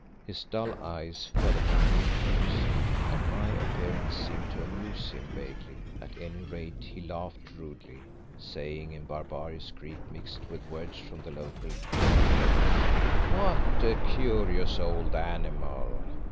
His dull eyes fell upon me first, and my appearance seemed to amuse him vaguely, at any rate he laughed rudely, saying in barbarous Greek mixed with words from the local patois "What a curious old animal!